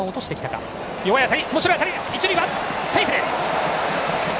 一塁はセーフです！